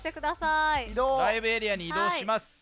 ライブエリアに移動します。